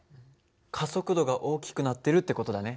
加速度が大きくなってるって事だね。